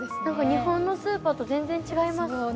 何か日本のスーパーと全然違います。